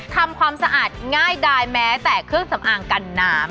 ทำความสะอาดง่ายดายแม้แต่เครื่องสำอางกันน้ำ